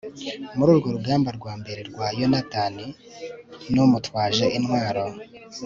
muri urwo rugamba rwa mbere rwa yonatani n'umutwaje intwaro